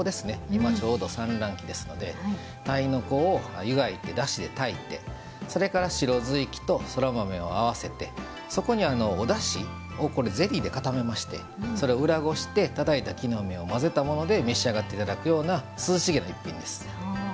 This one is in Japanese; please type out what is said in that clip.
今ちょうど産卵期ですので鯛の子をゆがいて、だしで炊いて白ずいきとそら豆を合わせてそこに、おだしをゼリーで固めましてそれを裏ごししてたたいた木の芽を混ぜたもので召し上がっていただくような涼しげな逸品です。